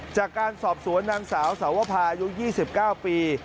จากการสอบสวนนางสาวสาวภายุ๒๙ปี